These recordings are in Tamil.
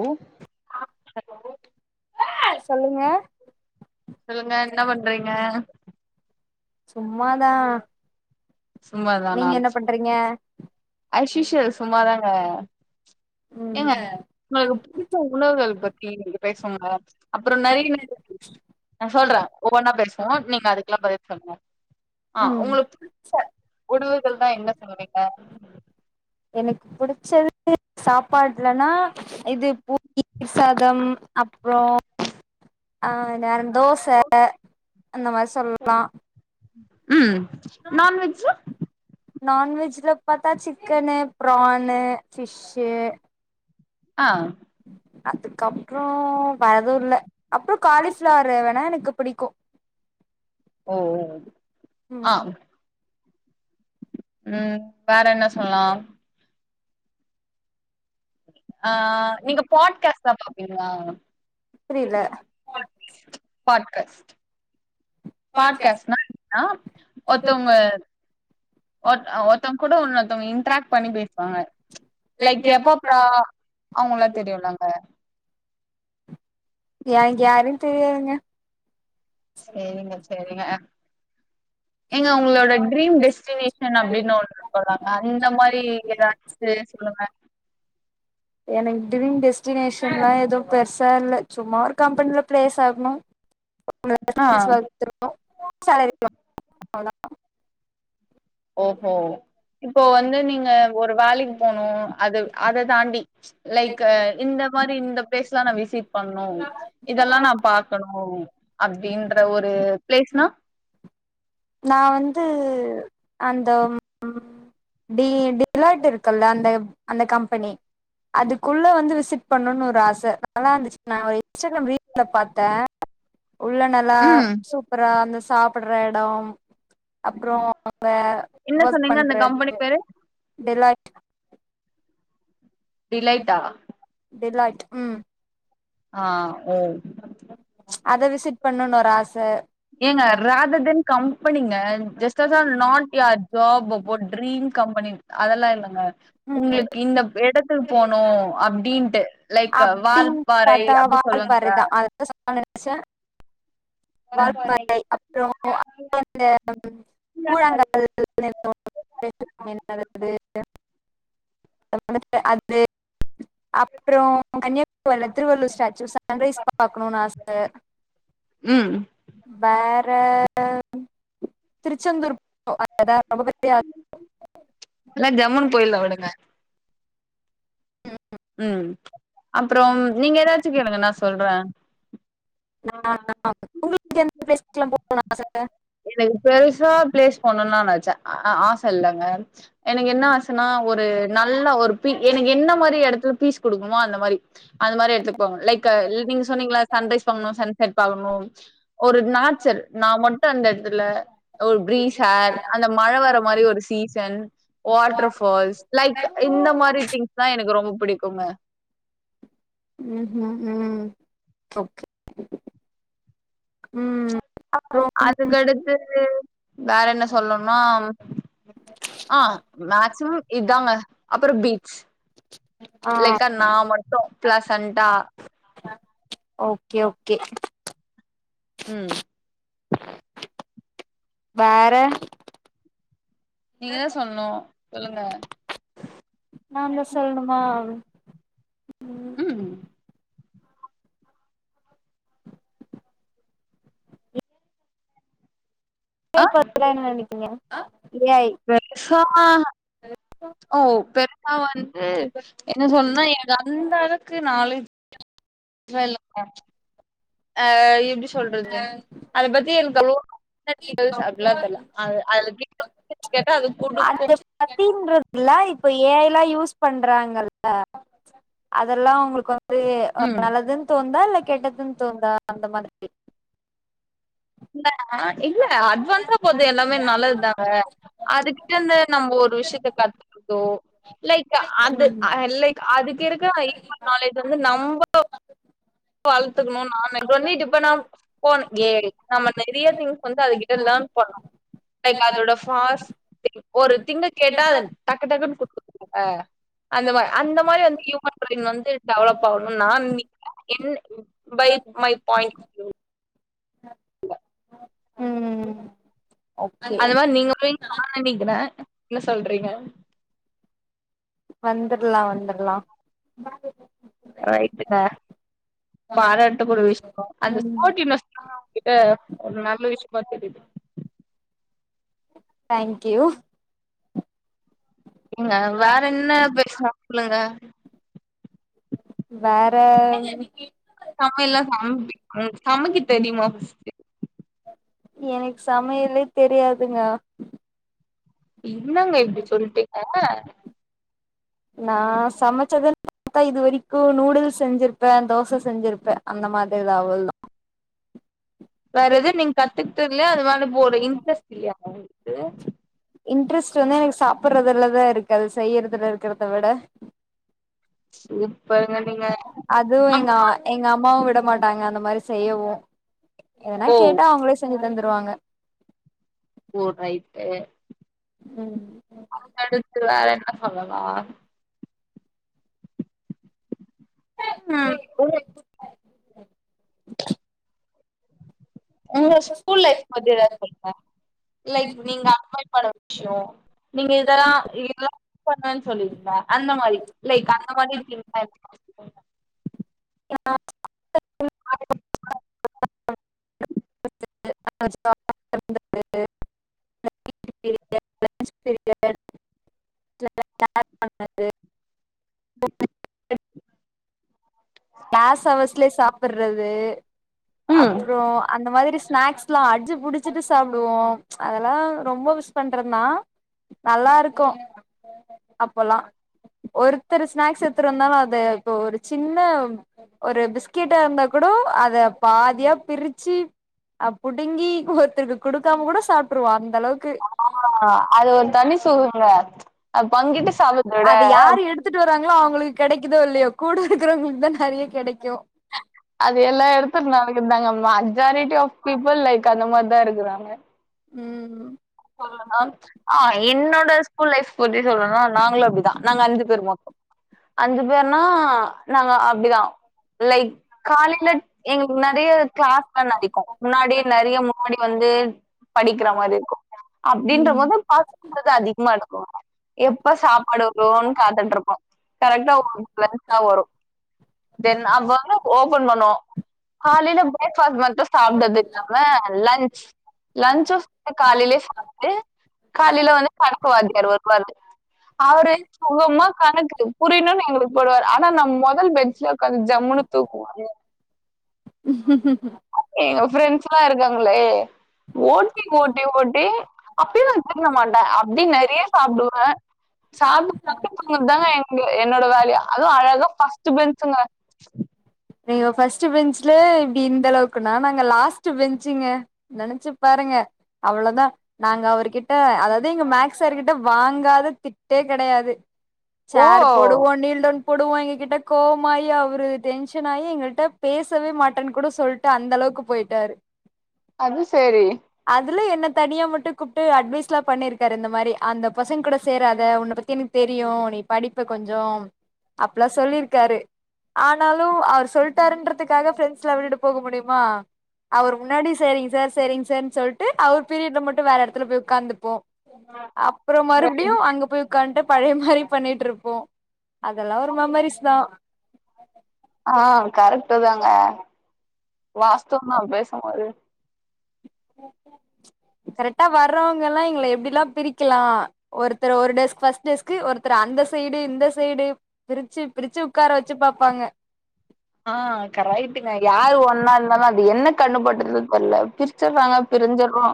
ஓ சொல்லுங்க சொல்லுங்க என்ன பண்றீங்க சும்மாதா நீங்க என்ன பண்றீங்க ஆஸ்யூஷுவல் சும்மாதாங்க ஏங்க ம் உங்களுக்கு பிடிச்ச உணவுகள் பத்தி நீங்க பேசனுங்க அப்புறோ நெறைய நீங்க நா சொல்றே ஒவ்வொன்னா பேசுவோ நீங்க அதுக்கெல்லா பதில் சொல்லுங்க ஆ ம் உங்களுக்கு த உடிவுகள்னா என்ன சொல்லுவீங்க எனக்கு புடிச்சது சாப்பாடுலன்னா இது பு சாதம் அப்புறோ அ வேற என் தோச ச அந்த மாரி சொல்லா ம் நான்வெஜ்ஜு நான்வெஜ்ல பாத்தா சிக்கனு ப்ரானு ஃபிஷ்ஷு ஆ அதுக்கப்ரோ வெரேதுல்ல அப்ரோ காலிஃப்ளரு வேணா எனக்கு பிடிக்கும் ம் ம் ஆ ம் வேற என்ன சொல்லா ஆ நீங்க பாட்கஸ் பாப்பீங்களா புரியல பாட்காஸ்ட் பாட்காஸ்னா என்னா ஒருத்தவங்க ஒர் அ ஒருத்தவங்க கூட ஒன்னொத்தவங்க இன்ட்ராக்ட் பண்ணி பேசுவாங்க லைக் எப்பப்பா அவங்கல்லா தெரியுலங்க எனக்கு யாரையும் தெரியாதுங்க செரிங்க செரிங்க எங்க உங்களோட ட்ரீம் டெஸ்டினேஷன் அப்படின்னு ஒன்ருகுலங்க அந்த மாரி ஏதாது செர் சொல்லுங்க எனக்கு ட்ரீம் டெஸ்டினேஷன்லா ஏது பெருசா இல்ல சும்மா ஒரு கம்பெனியில பிளேஸ் ஆகணும் ஆ [unintelligible] ஓஹோ இப்போ வந்து நீங்க ஒரு வேலக்கு போனும் அது அத தாண்டி லைக் இந்த மாதிரி இந்த பிளேஸ்லாம் நான் விசிட் பண்ணும் இதலாம் நான் பாக்கணும் அப்படின்ற ஒரு பிளேஸ்னா நான் வந்து அந்த ம் டி டிலட் இருக்குல்ல அந்த அந்த கம்பெனி அதுக்குள்ளே வந்து விசிட் பண்ணும்ன்னனு ஒரு ஆச நல்லாருந்துச்சு நான் ஒரு இன்ஸ்டரம் ரீல்ஸ் பாத்தன் [inaudible] உள்ள நல்லா ம் சூப்பரா அந்த சாப்பிடுற எடோ அப்ரோ என்ன அப்பப்ப சொன்னீங்க அந்த கம்பெனி பண்றது பேரு டிலைட் டிலைட்டா டெலைட் உம் ஆ ஓ அத விசிட் பண்ணுனு ஒரு ஆச ஏங்க ராதர்தன் கம்பெனிங்க just ah not your job ஒவ்வொரு ட்ரீம் கம்பெனி அதெல்லா இல்லங்க ம் உங்ளுக்கு இந்த எடத்துக்கு போனோ அப்டின்ட்டு லைக்கு வாள் பாறை அப்டி சொல்லுங்க அதா சொல்லா நெனச்ச வாள் பாறை அப்றோ [unintelligible] கூழாங்கல் [inaudible] அது அப்றோ கன்னியாகுமரில திருவள்ளூர் ஸ்டாச்சூ சன்ரைஸ் பாக்கணுன் ஆச ம் வேற திருச்செந்தூர் [inaudible] ரொம்ப பெரிய எல்லா ஜம்முனு போயில்லா விடுங்க ம் அப்புறம் நீங்க ஏதாச்சு கேளுங்க நா சொ நா உங்களுக்கு எந்தெந்த ப்ளேஸ்லா போணுன்னு ஆச எனக்கு பெருசா பிளேஸ் போணுன்லா நெனச்ச ஆச இல்லங்க எனக்கு என்ன ஆசன்னா ஒரு நல்ல ஒரு பீ எனக்கு என்ன மாரி எடத்துல பீஸ் குடுக்குமோ அந்த மாரி அது மாரி எட்துக்கு போனு லைக்கு நீங்க சொன்னீங்களா சன்ரைஸ் பாக்ணு சன் செட் பாக்ணு ஒரு நாச்சர் நா மட்டு அந்த எடத்துல ஒரு பீரீஸ் டார் அந்த மழ வர மாரி ஒரு சீசன் வாட்டர் ஃபால்ஸ் லைக் இந்த மாரி திங்ஸ் தா எனக்கு ரொம்ப பிடிக்குங்க ம்ஹு ம் ஓகே ம் அப்றோ அதுக்கடுத்து வேற என்ன சொல்லும்னா ஆ மேக்சிமம் இதாங்க அப்பறம் பீச் ஆ லைக்கா நா மட்டு பிளஸண்டா ஓகே ஓகே ம் வார நீங்க தா சொல்னு சொல்லுங்க நான்தா சொல்ணுமா ம் ஆ ப்ளாண் பண்ணிக்கிங்க இதயாய் பெருசா ஓ பெருசா வந்து என்ன சொன்னனா எனக்கு அந்த அளவுக்கு நாலேஜ் லா இல்லங்க அ எப்டி சொல்றது அத பத்தி எனக்கு அவ்ளோவா [unintelligible] [inaudible] கேட்டா அது குடுக்கூ அப்டின்றதுல்ல இப்ப ஏ ஐ ல்லா யூஸ் பண்றாங்கல்ல அதெல்லா உங்களுக்கு வந்து ம் நல்லதுன் தோண்தா இல்ல கெட்டதுன் தோண்தா அந்த மாதிரி இ இல்ல அட்வான்ஸா போது எல்லாமே நல்லதுதாங்க அதுகிட்ட இருந்து நம்ப ஒரு விஷயத்த கத்துகர்தோ லைக் ம் அதுலைக் அதுக்கிறுக்க ஐக்யூ நாலேஜ் வந்து நம்பள வழத்துக்குணு நானு பன்னிட்டு இப்ப நா போ ஏ நம்ம நெறைய திங்ஸ் வந்து அது கிட்ட லேர்ன் பண்ணு லைக் அதோட ஃபாஸ்ட் ஒரு திங்க கேட்டா அத டக்கு டக்குன்னு குடுக்குதுல்ல அந்த மா அந்த மாரி வந்து ஹியூமன் பிரெயின் வந்து டெவலப் ஆகணுன் நா நெனக்கிற என் பை மை பாய்ண்ட் ம் ஓகே அது மாரி [unintelligible] என்ன சொல்றீங்க வந்துர்லா வந்துர்லா ரைட்டுங்க பாராட்டு கூட விஷயொ அந்த ம் ஸ்போட்டிவ்நெஸ் ஆ உங்கிட்ட நல்ல விஷயமா தெரியிது தேங்க்யூ ஏங்க வேற என்ன பேசலா சொல்லுங்க வேற சமயல்லா சமப்பிங்ளா ஒங் சமைக்கத்தெரிமா ஃபர்ஸ்ட்டு எனக்கு சமயலே தெரியாதுங்க என்னங்க இப்டி சொல்டீங்க நா‌ சமச்சது பாத்தா இது வரைக்கு நூடுல்ஸ் செஞ்சிருப்பே தோச செஞ்சிருப்பே அந்த மாத்ரி தா அவ்ள் தா வேறெது நீங் கத்துக்கிட்தில்லயா அது மேல போ ஒரு இன்ட்ரெஸ்ட் இல்லயாங்க ஒங்ளுக்கு இன்ட்ரெஸ்ட் வந்து எனக்கு சாப்பறதுலதாருக்கு அது செய்யறதுல இருக்கறத விட சூப்பருங்க நீங்க அதுவு அம் எங்க எங்க அம்மாவு விட மாட்டாங்க அந்த மாரி செய்யவு எதனா ஓ கேட்டா அவுங்களே செஞ்சு தந்துருவாங்க ஓ ரைட்டு ம் அதுக்கடுத்து வேற என்ன சொல்லலா ம் [inaudible] ஒங்ளோட ஸ்கூல் லைஃப் பத்தி எதாவ்து சொல்லுங்க லைக் நீங்க அட்மைர் பண்ண விஷ்யோ நீங்க எதல்லா பண்ணோன் சொல்லிருந்த அந்த மாரி லைக் அந்த மாரி [inaudible] [inaudible] [inaudible] பண்ணது [inaudible] க்ளாஸ் ஹவர்ஸ்லயே சாப்பறது ம் அப்றோ அந்த மாரி ஸ்நாக்ஸ்ல்லா அச்சு புடிச்சிட்டு சாப்டுவோ அதெல்லா ரொம்ப மிஸ் பண்றந்தா நல்லாருக்கு அப்போல்லா ஒருத்தர் ஸ்நாக்ஸ் எட்த்துட்டு வந்தாலு அது இப்ப ஒரு சின்ன ஒரு பிஸ்கெட்டா இருந்தா கூடொ அத பாதியா பிரிச்சு அ புடுங்கி ஒருத்தருக்கு குடுக்காம கூட சாப்ட்ருவோ அந்தளவுக்கு ஆ அது ஒரு தனி சுகங்க அ பங்கிட்டு சாப்றத விட எத்துட்டு வராங்ளோ அவுங்களுக்கு கெடைக்கிதோ இல்லயோ கூட இருக்றவங்களுக்கு தா நறைய கெடைக்கு அது எல்லா எடுத்துட்டு நகுந்தாங்க மெஜாரிட்டி ஆஃப் பீப்புள் லைக் அந்த மார் தா இருக்குறாங்க ம் ஆ என்னோட ஸ்கூல் லைஃப் பத்தி சொல்னுனா நாங்ளு அப்டிதா நாங்க அஞ்சு பேர் மொத்தொ அஞ்சு பேர்னா நாங்க அப்டிதா லைக் காலைல எங்ளுக் நறைய க்ளாஸ் வந் நடிக்கு முன்னாடி நறைய முன்னாடி வந்து படிக்கிற மாரி இருக்கு அப்டின்ற போது பாக்கறது அதிகமாருக்கு எப்ப சாப்பாடு வருன் காத்துட்ருப்போ கரெக்டா கரெக்ட்டா வரு தென் வந்து ஓபன் பண்ணுவோ காலைல பிரேக்ஃபாஸ்ட் மட்டு சாப்ட்டது இல்லாம லஞ்ச் லஞ்சு சேத்து காலைலே காலைல வந்து கணக்கு வாத்தியார் வருவாரு அவரு சொகமா கணக்கு புரியணுன் எங்ளுக்கு போடுவாரு ஆனா நம் மொதல் பெஞ்ச்லே ஒக்காந்து ஜம்முனு தூங்குவாரு ம்ம்.. அது எங்க ஃப்ரெண்ட்ஸ்ல்லா இருக்காங்ளே ஓட்டி ஓட்டி ஓட்டி அப்டில்லா திருந்த மாட்டே அப்டின் நறைய சாப்டுவே சாப்ட்டு சா இதாங்க எங்க என்னோட வேலயே அதுவுஅழகா ஃபஸ்ட்டு பென்ச்சுங்க நீ ஃபஸ்ட்டு பெஞ்சில இப்டி இந்தளவுக்குன்னா நாங்க லாஸ்ட்டு பெஞ்சுங்க நெனைச்சு பாருங்க அவ்ளோதா நாங்க அவர்கிட்ட அதாவது எங்க மேக்ஸ் சார்கிட்ட வாங்காத திட்டே கெடையாது ஓ சேர் போடுவோ நீல்டௌன் போடுவோ எங்க கிட்ட கோவமாயி அவரு டென்ஷன் னாயி எங்கள்கிட்ட பேசவே மாட்டேன்னு கூட சொல்லிட்டு அந்த அளவுக்கு போய்ட்டாரு அது செரி அதுல என்ன தனியா மட்டு கூப்ட்டு அட்வைஸ் எல்லா பண்ணியிருக்காரு இந்த மாரி அந்த பசங்க கூட சேராத உன்ன பத்தி எனக் கு தெரியு நீ படிப்பே கொஞ்சோ அப்பெல்லா சொல்லிருக்காரு ஆனா லு அவர் சொல்லிட்டான்றதுக்காக பிரெண்ட்ஸ் எல்லா விட்டுட்டு போக முடியுமா அவரு முன்னாடி செரிங்க சார் செரிங்க சார்ன்னு சொல்ட்டு அவர் பீரியட்ல மட்டு வேற எடத்துல போய் உட்காந்துப்போ அப்புறோ மறுபடியு அங்க போய் உட்கான்ட்டு பழைய மாரி பண்ணிட்டு இருப்போ அதெல்லா ஒரு மெமரிஸ் தா ஆ கரெக்ட்டு தாங்க வாஸ்தும் தா பேசும்போது கேட்கவில்லை கரெக்டா வர்றவங்க எல்லா எங்கள எப்டி எல்லா பிரிக்கலா ஒருத்தர் ஒரு டெஸ்க் ஃபஸ்ட்டு டெஸ்க்கு ஒருத்தர் அந்த சைடு இந்த சைடு பிரிச்சு பிரிச்சு உட்கார வச்சு பாப்பாங்க ஆ கராய்ட்டுங்க யாரு ஒன்னா இருந்தாலு அது என்ன கண்ணுபட்டுறுது தெர்ல பிரிச்சறாங்க பிரிஞ்ச்சறோ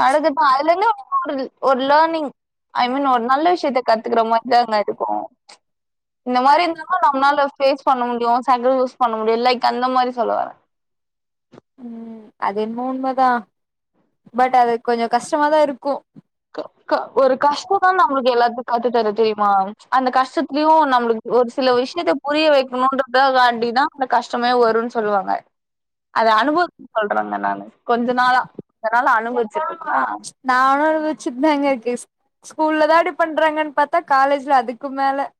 நடதுட்டா அதுலந்து ஒடுருது ஒரு லேர்னிங் ஐ மீன் ஒரு நல்ல விஷயத்த கத்துக்கற மாரிதா நடுக்கு இந்த மாரி இருந்த நம்மளால பேஸ் பண்ண முடியு சாந்கிற யூஸ் பண்ண முடியு லைக்கு அந்த மாரி சொல்லுவர உம் அது என்ம உண்ம தா பட் அது கொஞ்சோ கஷ்டமா தா இருக்கு க க ஒரு கஷ்ட தா நம்மளுக்கு எல்லாத்துக்கு கத்து தர தெரியுமா அந்த கஷ்டத்துலயு நம்மளுக்கு ஒரு சில விஷயத்த புரிய வைக்கணும்ன்றதக்காண்டி தா அந்த கஷ்டமே வருனு சொல்லுவாங்க அத அனுபவ சொல்றங்க நானு கொஞ்ச நாளா கொஞ்ச நாளா அனுபவிச்சிட்டு இருக்கா நா அவ்ளோ அனுவ வச்சுட்டு தாங்க இருக்கு ஸ்கூல்ல தா அப்டி பண்றாங்கன்னு பாத் தா காலேஜ்ல அதுக்கு மேல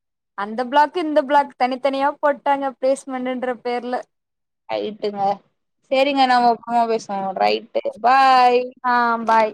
அந்த பிளாக் இந்த பிளாக் தனித்தனியா போட்டாங்க பிளேஸ்மெண்டுன்ற பேர்ல ரைட்டுங்க செரிங்க நம்ம அப்பமா பேசுவோங்க ரைட்டு பாய் ஆ பாய்